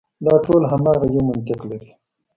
دا ټول هماغه یو منطق لري.